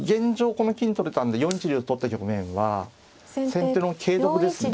この金取れたんで４一竜と取った局面は先手の桂得ですね。